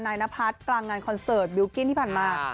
นพัฒน์กลางงานคอนเสิร์ตบิลกิ้นที่ผ่านมา